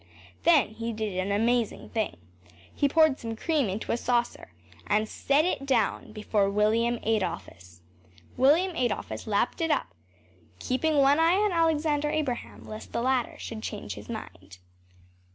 Then he did an amazing thing. He poured some cream into a saucer and set it down before William Adolphus. William Adolphus lapped it up, keeping one eye on Alexander Abraham lest the latter should change his mind.